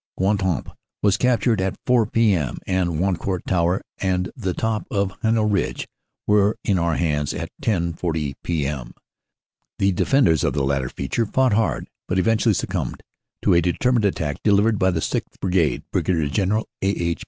"Guemappe was captured at 4 p.m. and Wancourt Tower and the top of Heninel Ridge were in our hands at 10,40 p.m. The defenders of the latter feature fought hard, but eventually succumbed to a determined attack delivered by the 6th. Bri gade (Brig. General A. H.